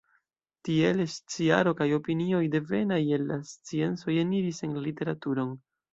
Tiele sciaro kaj opinioj devenaj el la sciencoj eniris en la literaturon.